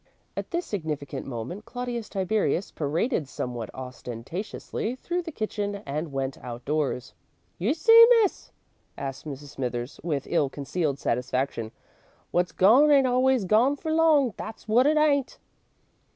At this significant moment, Claudius Tiberius paraded somewhat ostentatiously through the kitchen and went outdoors. "You see, Miss?" asked Mrs. Smithers, with ill concealed satisfaction. "Wot's gone ain't always gone for long, that's wot it ain't."